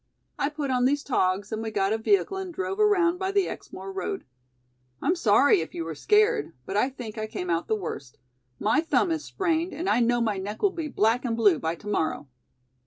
I put on these togs and we got a vehicle and drove around by the Exmoor road. I'm sorry if you were scared, but I think I came out the worst. My thumb is sprained and I know my neck will be black and blue by to morrow."